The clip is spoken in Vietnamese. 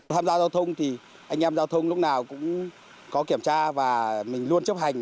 tham gia giao thông thì anh em giao thông lúc nào cũng có kiểm tra và mình luôn chấp hành